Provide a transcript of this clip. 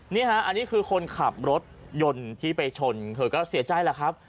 นี่ฮะอันนี้คือคนขับรถยนต์ที่ไปชนเธอก็เสียใจแหละครับ